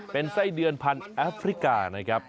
เป็นไส้เดือนพันธุ์แอฟริกานะครับ